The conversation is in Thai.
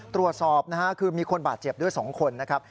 ตรวจสอบนะฮะคือมีคนบาดเจ็บด้วย๒คนนะครับ